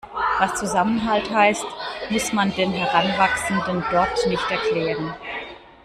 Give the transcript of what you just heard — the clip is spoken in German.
Was Zusammenhalt heißt, muss man den Heranwachsenden dort nicht erklären.